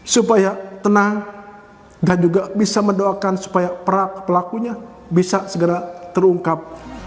supaya tenang dan juga bisa mendoakan supaya pelakunya bisa segera terungkap